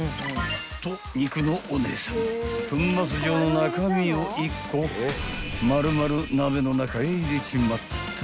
［と肉のお姉さん粉末状の中身を１個丸々鍋の中へ入れちまった］